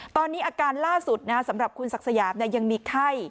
ตอนนี้อาการล่าสุดสำหรับคุณศักดิ์สยามยังมีไข้